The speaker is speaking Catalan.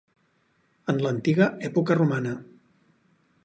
En l'antiga època romana.